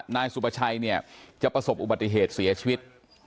นายสุประชัยเนี่ยจะประสบอุบัติเหตุเสียชีวิต